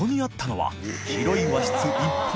はい。